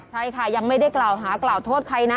ใช่ค่ะยังไม่ได้กล่าวหากล่าวโทษใครนะ